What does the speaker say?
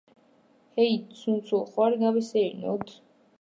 ჰეი ცუნცულ, ხომ არ გავისეირნოთ?